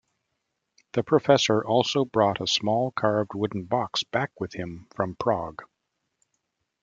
The professor also brought a small carved wooden box back with him from Prague.